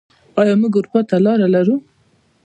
آیا موږ اروپا ته لاره لرو؟